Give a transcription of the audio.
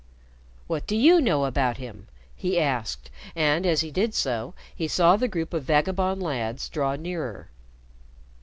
"What do you know about him?" he asked, and, as he did so, he saw the group of vagabond lads draw nearer.